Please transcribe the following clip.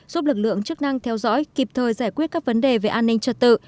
giúp lực lượng chức năng theo dõi kịp thời giải quyết các vấn đề về an ninh trật tự